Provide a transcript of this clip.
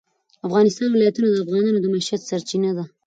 د افغانستان ولايتونه د افغانانو د معیشت سرچینه ده.